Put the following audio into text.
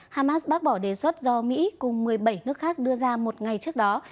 hamas bác bỏ đề xuất do mỹ cùng một mươi bảy nước khác đưa ra một ngày trước đó